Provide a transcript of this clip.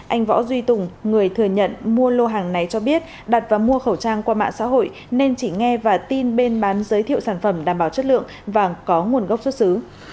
anh võ duy tùng người thừa nhận mua lô hàng này cho biết đặt và mua khẩu trang qua mạng xã hội nên chỉ nghe và tin bên bán giới thiệu sản phẩm đảm bảo chất lượng và có nguồn gốc xuất xứ